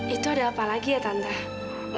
itu ada apa lagi ya tante